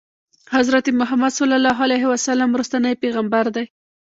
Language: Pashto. حضرت محمد صلی الله علیه وسلم وروستنی پیغمبر دی.